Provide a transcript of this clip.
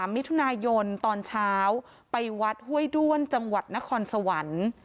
มิถุนายนตอนเช้าไปวัดห้วยด้วนจังหวัดนครสวรรค์